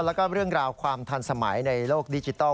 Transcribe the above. แล้วก็เรื่องราวความทันสมัยในโลกดิจิทัล